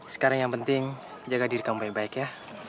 sekarang yang penting jaga diri kamu baik baik ya